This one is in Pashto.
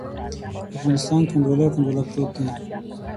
افغانستان کنډواله، کنډواله پروت دی.